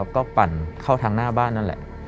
ก็ปั่นเข้าทางหน้าบ้านนั่นแหละ